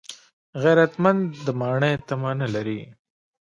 غیرتمند د ماڼۍ تمه نه لري